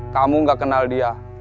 kamu nggak kenal dia